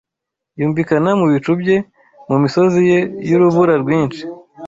yumvikana mu bicu bye, Mu misozi ye y'urubura rwinshi